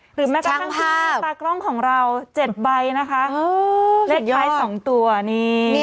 หรือแม่ข้างข้างหน้าละทางกล้องของเรา๗ใบนะคะเล็กไพรส์๒ตัวนี่สุดยอด